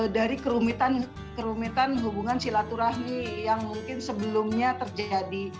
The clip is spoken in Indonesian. dari kerumitan hubungan silaturahmi yang mungkin sebelumnya terjadi